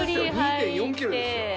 ２．４キロですよ。